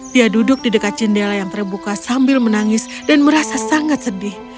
dia duduk di dekat jendela yang terbuka sambil menangis dan merasa sangat sedih